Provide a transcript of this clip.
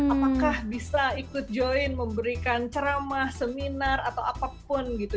apakah bisa ikut join memberikan ceramah seminar atau apapun gitu